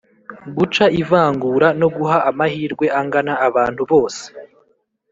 Guca ivangura no guha amahirwe angana abantu bose